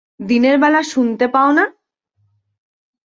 দিনের বেলা শুনতে পাও না?